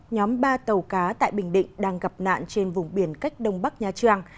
nhóm ba tàu cá tại bình định đang gặp nạn trên vùng biển cách đông bắc nha trang